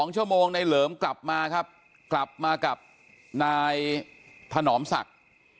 ๒ชั่วโมงในเหลิมกลับมาครับกลับมากับนายถนอมศักดิ์